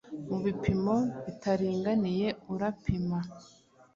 mubipimo bitaringaniye urapima